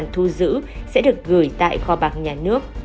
cơ quan thu giữ sẽ được gửi tại kho bạc nhà nước